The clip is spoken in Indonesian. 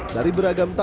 dari beragak beragak